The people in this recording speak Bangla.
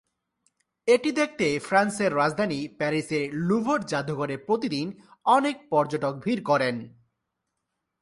এটি দেখতে ফ্রান্সের রাজধানী প্যারিসের ল্যুভর জাদুঘরে প্রতিদিন অনেক পর্যটক ভিড় করেন।